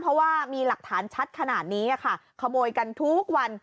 เพราะว่ามีหลักฐานชัดขนาดนี้ค่ะขโมยกันทุกวัน